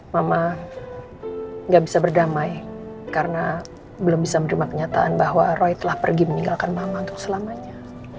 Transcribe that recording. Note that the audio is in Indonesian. mama gak bisa berdamai karena belum bisa menerima kenyataan bahwa roy telah pergi meninggalkan mama untuk selamanya